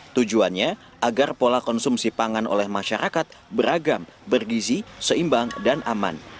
tujuannya agar pola konsumsi pangan oleh masyarakat beragam bergizi seimbang dan aman